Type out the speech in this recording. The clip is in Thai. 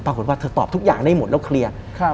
ปรากฏว่าเธอตอบทุกอย่างได้หมดแล้วเคลียร์